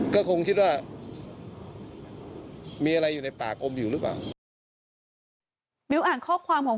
ก็คงคิดว่ามีอะไรอยู่ในปากอมอยู่หรือเปล่า